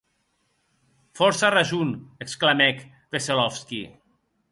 Fòrça rason!, exclamèc Veselovsky.